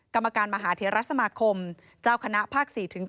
กรรมการมหาเทรสมาคมเจ้าคณะภาค๔๗